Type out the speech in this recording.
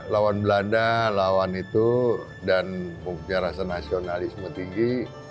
lawan belanda lawan itu dan buku kejarasa nasionalisme tinggi